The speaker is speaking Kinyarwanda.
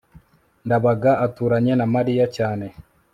ndabaga aturanye na mariya cyane